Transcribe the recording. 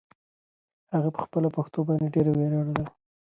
هغه په خپله پښتو باندې ډېره ویاړېده.